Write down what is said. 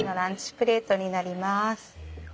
プレートになります。